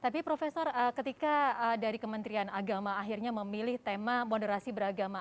tapi profesor ketika dari kementerian agama akhirnya memilih tema moderasi beragama